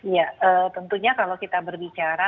ya tentunya kalau kita berbicara